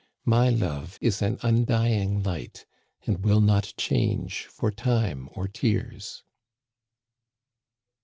My love is an undying light, And will not change for time or tears."